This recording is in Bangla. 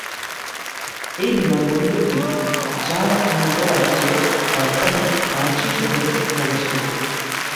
এই বিমানবন্দরটি ঝাড়খন্ড রাজ্যের রাজধানী রাঁচি শহরে অবস্থিত।